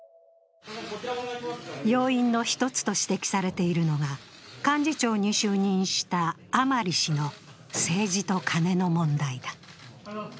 要因の一つと指摘されているのが幹事長に就任した甘利氏の政治とカネの問題だ。